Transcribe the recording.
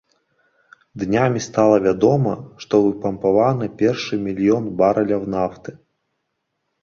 Днямі стала вядома, што выпампаваны першы мільён барэляў нафты.